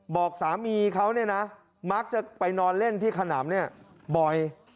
บอกสามีเขาเนี่ยนะมักจะไปนอนเล่นที่ขนำเนี่ยบ่อย